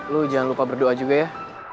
lu jangan lupa berdoa juga ya